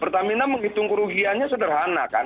pertamina menghitung kerugiannya sederhana kan